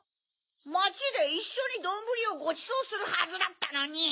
まちでいっしょにどんぶりをごちそうするはずだったのに！